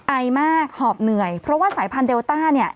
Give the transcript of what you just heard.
ไอมากหอบเหนื่อยเพราะว่าสายพันธุเดลต้าเนี่ย